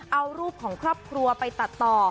เอารูปของครอบครัวไปตัดต่อ